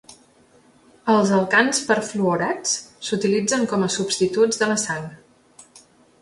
Els alcans perfluorats s'utilitzen com a substituts de la sang.